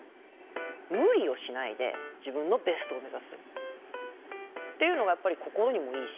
無理をしないで自分のベストを目指すっていうのがやっぱり心にもいいし。